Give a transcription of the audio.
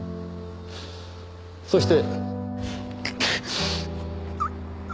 そして。